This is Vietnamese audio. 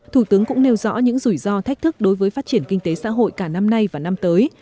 thủ tướng cũng nêu rõ những rủi ro thách thức đối với phát triển kinh tế xã hội cả năm nay và năm tới